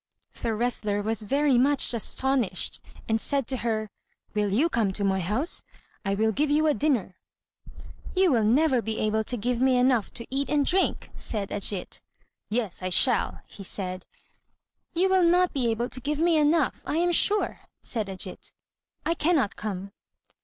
The wrestler was very much astonished, and said to her, "Will you come to my house? I will give you a dinner." "You will never be able to give me enough to eat and drink," said Ajít. "Yes, I shall," he said. "You will not be able to give me enough, I am sure," said Ajít; "I cannot come."